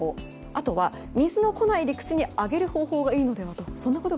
あとは水の来ない陸地に上げる方法がいいのではないかと。